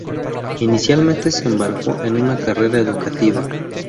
Inicialmente se embarcó en una carrera educativa.